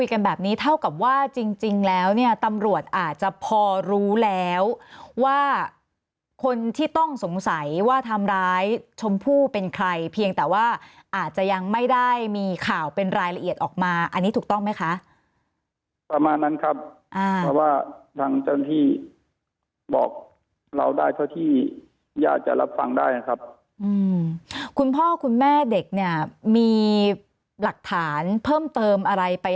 กันแบบนี้เท่ากับว่าจริงจริงแล้วเนี่ยตำรวจอาจจะพอรู้แล้วว่าคนที่ต้องสงสัยว่าทำร้ายชมพู่เป็นใครเพียงแต่ว่าอาจจะยังไม่ได้มีข่าวเป็นรายละเอียดออกมาอันนี้ถูกต้องไหมคะประมาณนั้นครับอ่าเพราะว่าทางเจ้าหน้าที่บอกเราได้เท่าที่อยากจะรับฟังได้นะครับอืมคุณพ่อคุณแม่เด็กเนี่ยมีหลักฐานเพิ่มเติมอะไรไป